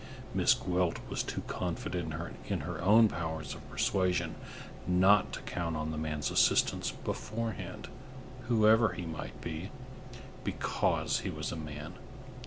Miss Gwilt was too confident in her own powers of persuasion not to count on the man's assistance beforehand, whoever he might be, because he was a man.